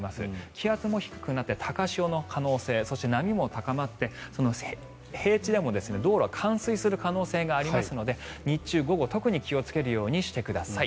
気圧も低くなって高潮の可能性そして、波も高まって平地でも道路が冠水する可能性がありますので日中、午後特に気をつけるようにしてください。